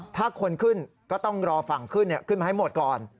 ถ้าคนขึ้นก็ต้องรอฝั่งขึ้นขึ้นมาให้หมดก่อน